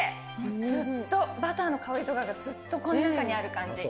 ずっとバターの香りとかが、ずっとこの中にある感じ。